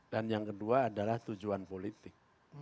yang kedua adalah tujuan politik